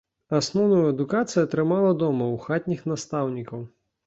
Асноўную адукацыю атрымала дома ў хатніх настаўнікаў.